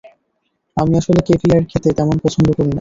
আমি আসলে ক্যাভিয়ার খেতে তেমন পছন্দ করি না।